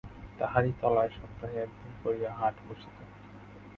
তাহারই তলায় সপ্তাহে একদিন করিয়া হাট বসিত।